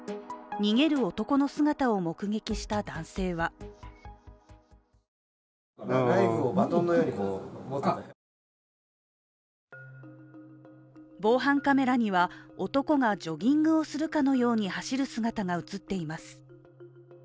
逃げる男の姿を目撃した男性は防犯カメラには、男がジョギングをするかのように走る姿が映っています。